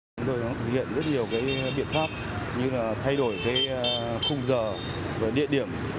chúng tôi đã thực hiện rất nhiều biện pháp như là thay đổi khung giờ địa điểm